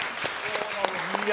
いや。